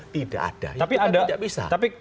tidak ada tapi